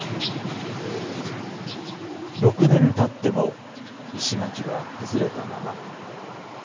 ６年たっても石垣は崩れたまま。